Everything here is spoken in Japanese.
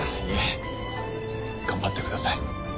いえ頑張ってください。